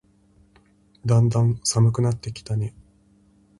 だんだん寒くなってきたね。